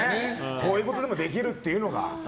こういうことでもできるっていうのが。